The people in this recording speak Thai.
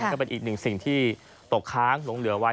ก็เป็นอีกหนึ่งสิ่งที่ตกค้างหลงเหลือไว้